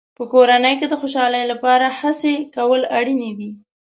په کورنۍ کې د خوشحالۍ لپاره هڅې کول اړینې دي.